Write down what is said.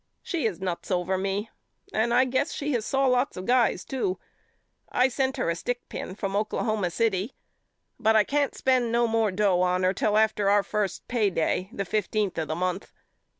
She is nuts over me and I guess she has saw lots of guys to. I sent her a stickpin from Oklahoma City but I can't spend no more dough on her till after our first payday the fifteenth of the month.